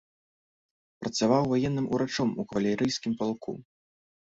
Працаваў ваенным урачом у кавалерыйскім палку.